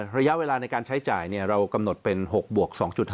ระยะเวลาในการใช้จ่ายเรากำหนดเป็น๖บวก๒๕